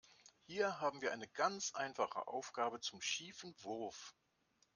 Hier haben wir eine ganz einfache Aufgabe zum schiefen Wurf.